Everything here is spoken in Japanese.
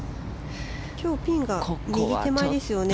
今日ピンが右手前ですよね。